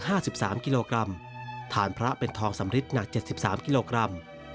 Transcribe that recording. หลักถึง๕๓กิโลกรัมฐานพระเป็นทองสำริทหนัก๗๓กิโลกรัม